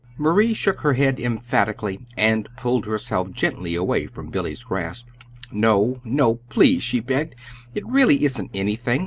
Marie shook her head emphatically, and pulled herself gently away from Billy's grasp. "No, no, please!" she begged. "It really isn't anything.